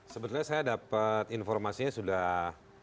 sebetulnya saya dapat informasinya sudah